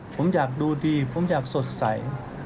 ผมอยากดูดีผมอยากสดใส